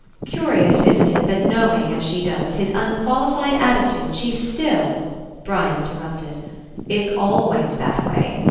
Curious, isn't it, that knowing, as she does, his unqualified attitude, she still —" Brian interrupted: "It's always that way.